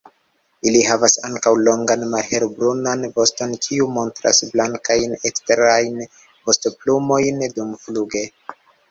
Ili havas ankaŭ longan malhelbrunan voston kiu montras blankajn eksterajn vostoplumojn dumfluge.